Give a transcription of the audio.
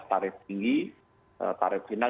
tarif tinggi tarif final